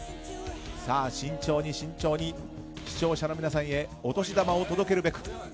慎重に慎重に視聴者の皆さんへお年玉を届けるべく。